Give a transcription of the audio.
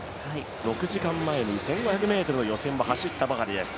６時間前に１５００ｍの予選を走ったばかりです。